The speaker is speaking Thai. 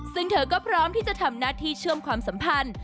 ซึ่งเธอก็พร้อมที่จะทำหน้าที่เชื่อมความสัมพันธ์